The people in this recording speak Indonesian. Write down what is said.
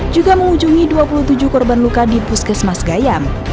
juga mengunjungi dua puluh tujuh korban luka di puskesmas gayam